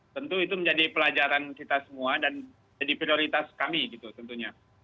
tentu itu menjadi pelajaran kita semua dan jadi prioritas kami gitu tentunya